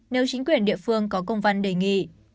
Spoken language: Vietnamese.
nếu chính quyền địa phương có công văn đề nghị